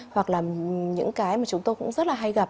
hoặc là những cái mà chúng tôi cũng rất là hay gặp